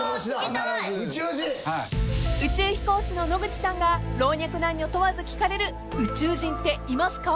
［宇宙飛行士の野口さんが老若男女問わず聞かれる宇宙人っていますか？］